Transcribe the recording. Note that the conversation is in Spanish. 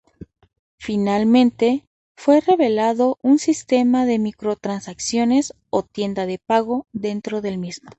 Finalmente, fue revelado un sistema de microtransacciones o tienda de pago dentro del mismo.